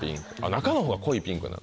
中のほうが濃いピンク。